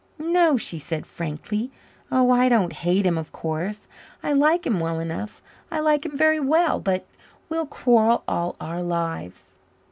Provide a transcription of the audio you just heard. "No," she said frankly. "Oh, I don't hate him, of course. I like him well enough. I like him very well. But we'll quarrel all our lives."